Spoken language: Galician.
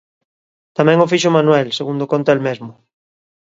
Tamén o fixo Manuel, segundo conta el mesmo.